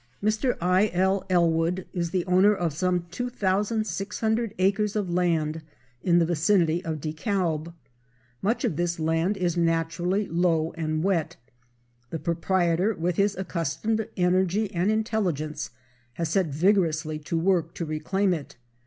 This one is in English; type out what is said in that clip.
Mr. I.L. Ellwood is the owner of some 2,600 acres of land in the vicinity of DeKalb. Much of this land is naturally low and wet. The proprietor, with his accustomed energy and intelligence, has set vigorously to work to reclaim it.